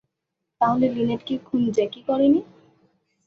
তাহলে, লিনেটকে খুন জ্যাকি করেনি!